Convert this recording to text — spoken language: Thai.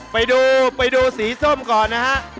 ไปดูไปดูสีส้มก่อนนะฮะ